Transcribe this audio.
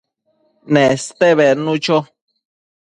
Neste bednu cho